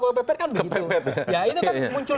kpp kan begitu ya itu kan muncul